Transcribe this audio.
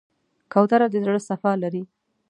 کوتره د زړه صفا لري.